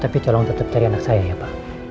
tapi tolong tetap cari anak saya ya pak